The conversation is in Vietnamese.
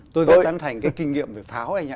tôi rất tán thành cái kinh nghiệm về pháo anh ạ